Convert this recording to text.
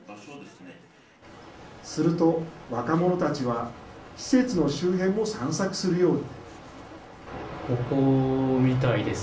すると、若者たちは施設の周辺も散策するように。